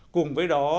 cùng với đó